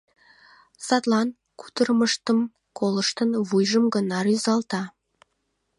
Садлан кутырымыштым колыштын, вуйжым гына рӱзалта.